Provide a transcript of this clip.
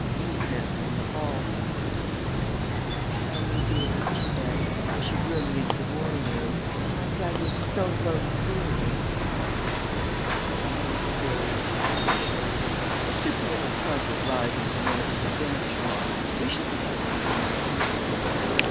Eve met me in the hall. "Please tell me, dear," she begged, as she drew me into the morning room, "why daddy is so low spirited!" "It isn't anything serious," I assured her. "It's just a little trouble arising from one of his adventures. We shall get out of it all right."